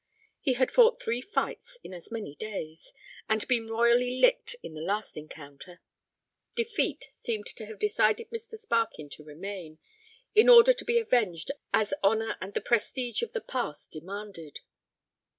He had fought three fights in as many days, and been royally licked in the last encounter. Defeat seemed to have decided Mr. Sparkin to remain, in order to be avenged as honor and the prestige of the past demanded.